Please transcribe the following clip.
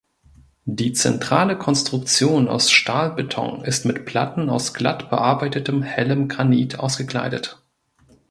Die zentrale Konstruktion aus Stahlbeton ist mit Platten aus glatt bearbeitetem hellem Granit ausgekleidet.